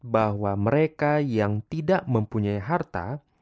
bahwa mereka yang tidak mempunyai harta